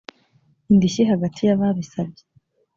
indishyi hagati y ababisabye